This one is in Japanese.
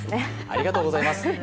ありがとうございます。